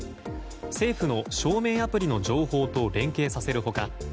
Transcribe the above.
政府の証明アプリの情報と連携させる他